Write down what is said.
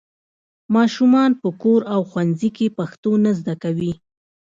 ماشومان په کور او ښوونځي کې پښتو نه زده کوي.